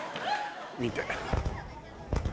見て。